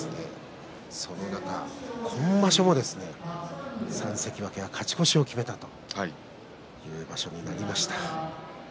その中、今場所も３関脇が勝ち越しを決めたという場所になりました。